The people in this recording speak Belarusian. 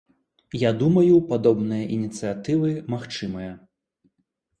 Я думаю, падобныя ініцыятывы магчымыя.